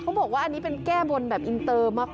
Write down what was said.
บอกว่าอันนี้เป็นแก้บนแบบอินเตอร์มาก